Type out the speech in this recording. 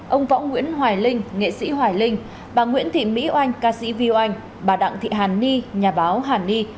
ông võ nguyễn hoài linh nghệ sĩ hoài linh bà nguyễn thị mỹ oanh ca sĩ vy oanh bà đặng thị hàn ni nhà báo hàn ni